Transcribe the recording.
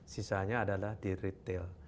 sisanya adalah di retail